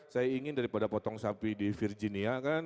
saya ingin daripada potong sapi di virginia kan